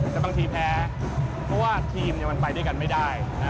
แต่บางทีแพ้เพราะว่าทีมมันไปด้วยกันไม่ได้